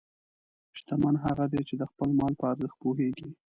شتمن هغه دی چې د خپل مال په ارزښت پوهېږي.